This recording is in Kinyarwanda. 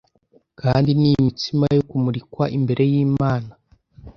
kandi n imitsima yo kumurikwa imbere y imana